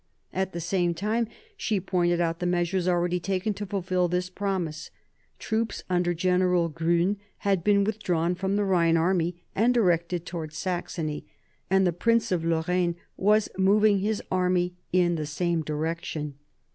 At the same time she pointed out the measures already taken to fulfil this promise; troops under General Groin had been withdrawn from the Rhine army and directed towards Saxony, and the Prince of Lorraine was moving his army in the same direction.